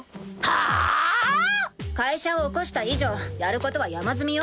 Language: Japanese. はあ⁉会社を起こした以上やることは山積みよ。